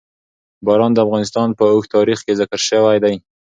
باران د افغانستان په اوږده تاریخ کې ذکر شوي دي.